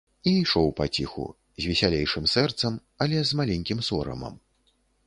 І ішоў паціху, з весялейшым сэрцам, але з маленькім сорамам.